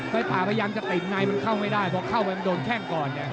ป่าพยายามจะติดในมันเข้าไม่ได้เพราะเข้าไปมันโดนแข้งก่อนไง